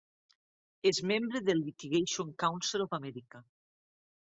És membre del Litigation Counsel of America.